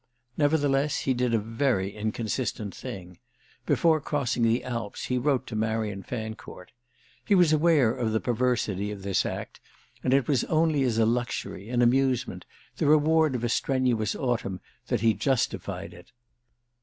Nevertheless he did a very inconsistent thing: before crossing the Alps he wrote to Marian Fancourt. He was aware of the perversity of this act, and it was only as a luxury, an amusement, the reward of a strenuous autumn, that he justified it.